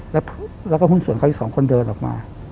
แล้วก็หุ้นส่วนเขาอีกสองคนเดินออกมา